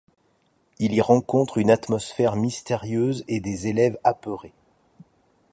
Il y rencontre une atmosphère mystérieuse et des élèves apeurés.